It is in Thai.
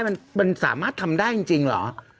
มันสามารถทำได้จริงเหรอ